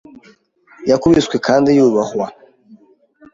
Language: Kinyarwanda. yakubiswe kandi yubahwa